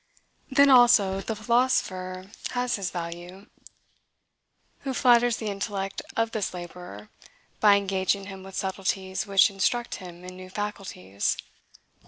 Then, also, the philosopher has his value, who flatters the intellect of this laborer, by engaging him with subtleties which instruct him in new faculties.